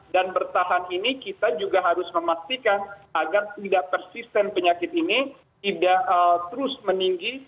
bertahan ini kita juga harus memastikan agar tidak persisten penyakit ini tidak terus meninggi